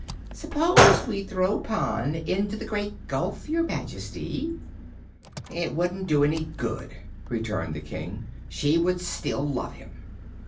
Suppose we throw Pon into the Great Gulf, your Majesty?" "It would do you no good," returned the King. "She would still love him."